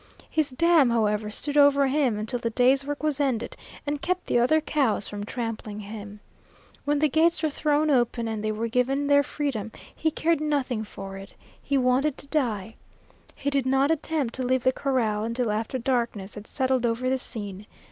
His dam, however, stood over him until the day's work was ended, and kept the other cows from trampling him. When the gates were thrown open and they were given their freedom, he cared nothing for it; he wanted to die. He did not attempt to leave the corral until after darkness had settled over the scene.